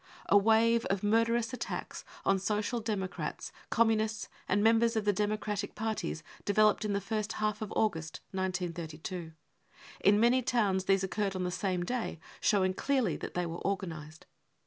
A wave of murderous attacks on Social Democrats, Communists and members of I the Democratic parties developed in the first half of August ^] 1932 ; in many towns these occurred on the same day, | showing clearly that they were organised.